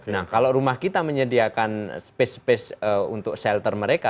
nah kalau rumah kita menyediakan space space untuk shelter mereka